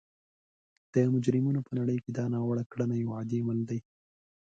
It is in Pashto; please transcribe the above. د مجرمینو په نړۍ کې دا ناوړه کړنه یو عادي عمل دی